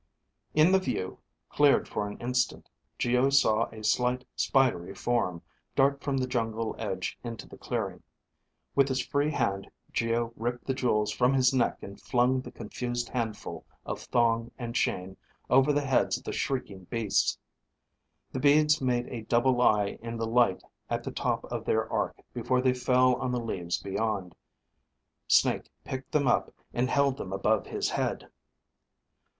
In the view, cleared for an instant, Geo saw a slight, spidery form, dart from the jungle edge into the clearing. With his free hand Geo ripped the jewels from his neck and flung the confused handful of thong and chain over the heads of the shrieking beasts. The beads made a double eye in the light at the top of their arc before they fell on the leaves beyond. Snake picked them up and held them above his head.